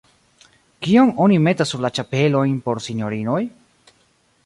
Kion oni metas sur la ĉapelojn por sinjorinoj?